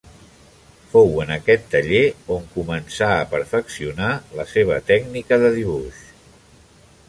Fou en aquest taller on començà a perfeccionar la seva tècnica de dibuix.